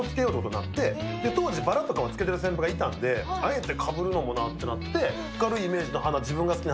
当時、ばらとかつけてる先輩がいたのであえてかぶるのもなと思って。